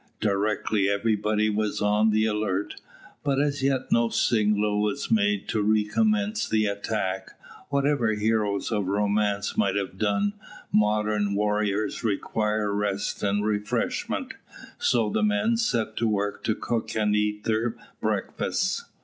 Directly everybody was on the alert, but as yet no signal was made to recommence the attack. Whatever heroes of romance might have done, modern warriors require rest and refreshment, so the men set to work to cook and eat their breakfasts.